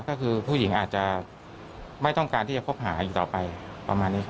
ก็คือผู้หญิงอาจจะไม่ต้องการที่จะคบหาอยู่ต่อไปประมาณนี้